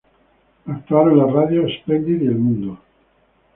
Actuaron en las radios Splendid y El Mundo.